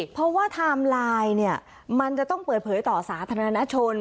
เพราะว่าไทม์ไลน์เนี่ยมันจะต้องเปิดเผยต่อสาธารณชน